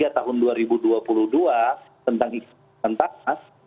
tahun dua ribu dua puluh dua tentang iklan pentas